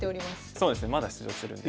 そうですねまだ出場するんで。